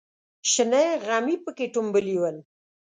شنه غمي پکې ټومبلې ول.